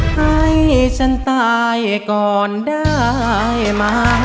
ให้ฉันตายก่อนได้มา